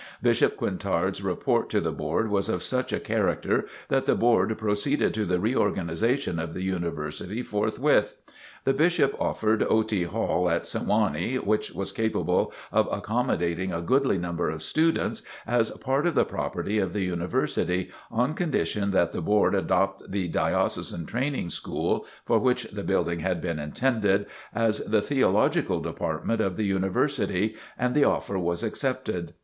Bishop Quintard's report to the Board was of such a character that the Board proceeded to the reorganization of the University forthwith. The Bishop offered Otey Hall, at Sewanee, which was capable of accommodating a goodly number of students, as part of the property of the University, on condition that the Board adopt the Diocesan Training School (for which the building had been intended,) as the Theological Department of the University, and the offer was accepted.